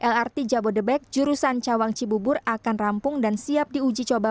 lrt jabodebek jurusan cawang cibubur akan rampung dan siap diuji coba